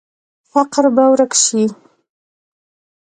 فقر به ورک شي؟